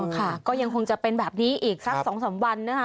ค่ะก็ยังคงจะเป็นแบบนี้อีกสัก๒๓วันนะคะ